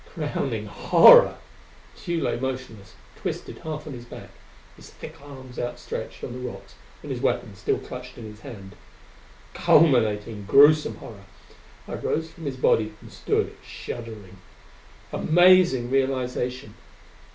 Crowning horror! Tugh lay motionless, twisted half on his back, his thick arms outstretched on the rocks and his weapon still clutched in his hand. Culminating, gruesome horror! I rose from his body and stood shuddering. Amazing realization!